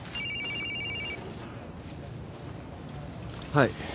はい。